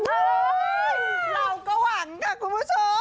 เราก็หวังค่ะคุณผู้ชม